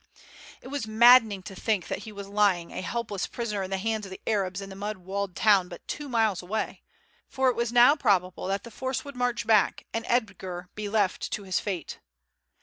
It was maddening to think that he was lying a helpless prisoner in the hands of the Arabs in the mud walled town but two miles away; for it was now probable that the force would march back, and Edgar be left to his fate.